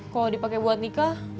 kalau dipake buat nikah